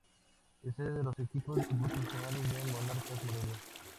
Es sede de los equipos de fútbol profesionales de Monarcas Morelia.